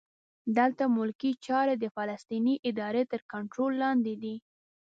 دلته ملکي چارې د فلسطیني ادارې تر کنټرول لاندې دي.